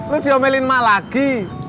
lo diomelin mah lagi